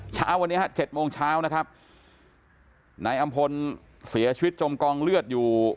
เช้าวันนี้ฮะเจ็ดโมงเช้านะครับนายอำพลเสียชีวิตจมกองเลือดอยู่